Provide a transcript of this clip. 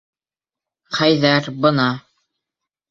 Хәйҙәр, бына!